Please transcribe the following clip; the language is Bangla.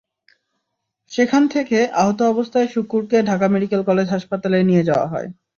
সেখান থেকে আহত অবস্থায় শুক্কুরকে ঢাকা মেডিকেল কলেজ হাসপাতালে নিয়ে যাওয়া হয়।